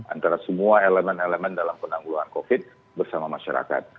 antara semua elemen elemen dalam penanggulan covid bersama masyarakat